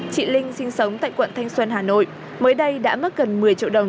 chị linh sinh sống tại quận thanh xuân hà nội mới đây đã mất gần một mươi triệu đồng